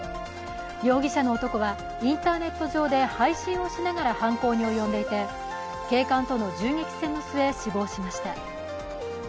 容疑者の男はインターネット上で配信をしながら犯行に及んでいて、警官との銃撃戦の末、死亡しました。